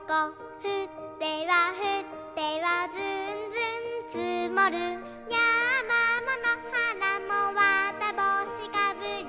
「ふってはふってはずんずんつもる」「やまものはらもわたぼうしかぶり」